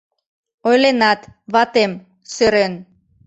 Ойленат, ватем, сӧрен